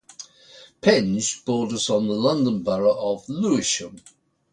Penge borders the London Borough of Lewisham.